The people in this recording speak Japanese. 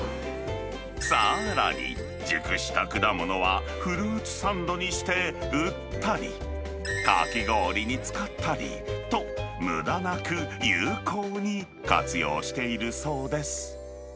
さらに、熟した果物はフルーツサンドにして売ったり、かき氷に使ったりと、むだなく有効に活用しているそうです。